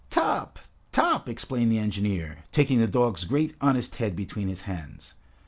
"Top, Top!" exclaimed the engineer, taking the dog's great honest head between his hands.